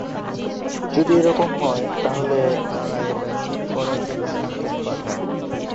যদি এরকম হয়, তাহলে তারা এটা ঠিক করার জন্য সংকেত পাঠায়।